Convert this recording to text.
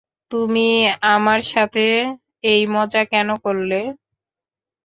তুমি আমার সাথে এই মজা কেন করলে?